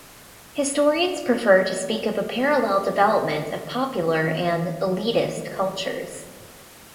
Historians prefer to speak of a parallel development of popular and "elitist" cultures.